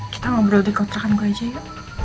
kita ngobrol di kotakan gue aja ya